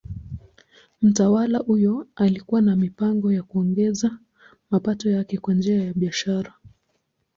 Mtawala huyo alikuwa na mipango ya kuongeza mapato yake kwa njia ya biashara.